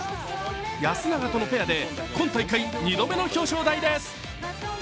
安永とのペアで今大会、２度目の表彰台です。